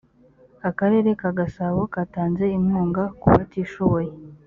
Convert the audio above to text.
akarere ka gasabo katanze inkunga kubatishoboye